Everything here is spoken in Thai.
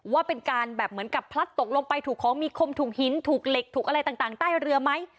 ว่าเป็นการแบบเหมือนกับพลัดตกลงไปถูกของมีคมถูกหินถูกเหล็กถูกอะไรต่างใต้เรือไหม